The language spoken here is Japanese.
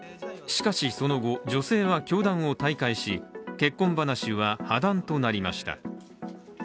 しかしその後、女性は教団を退会し結婚話は破談となりました。